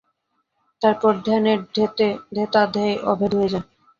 তারপর ধ্যানের ধ্যাতা ধ্যেয় অভেদ হয়ে যায়।